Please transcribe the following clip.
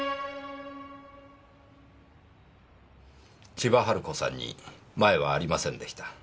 千葉ハル子さんに前科はありませんでした。